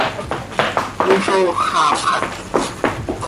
Ixooxapxat.